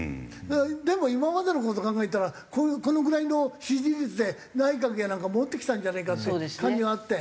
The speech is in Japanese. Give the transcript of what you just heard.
でも今までの事考えたらこのぐらいの支持率で内閣やなんか持ってきたんじゃねえかって感じがあって。